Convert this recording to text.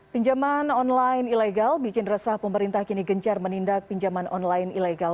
pinjaman online ilegal bikin resah pemerintah kini gencar menindak pinjaman online ilegal